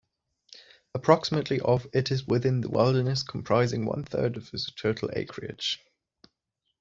Approximately of it is within the wilderness, comprising one-third of its total acreage.